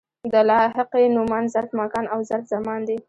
د لاحقې نومان ظرف مکان او ظرف زمان دي.